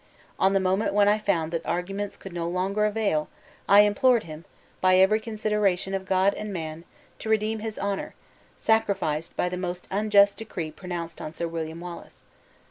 On the moment when I found that arguments could no longer avail, I implored him, by every consideration of God and man, to redeem his honor, sacrificed by the unjust decree pronounced on Sir William Wallace.